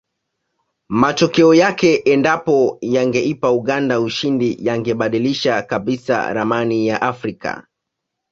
Matokeo yake endapo yangeipa Uganda ushindi yangebadilisha kabisa ramani ya afrika